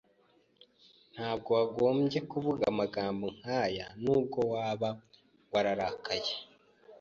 Ntabwo wagombye kuvuga amagambo nkaya nubwo waba wararakaye.